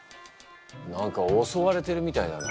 何かおそわれてるみたいだな。